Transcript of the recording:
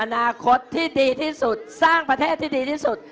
อนาคตที่ดีที่สุดสร้างประเทศที่ดีที่สุด